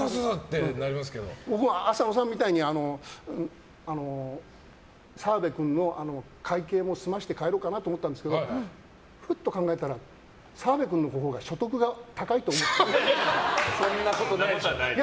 僕は、浅野さんみたいに澤部君の会計も済ませて帰ろうかなと思ったんだけどふと考えたら澤部君のほうがそんなことはないですよ。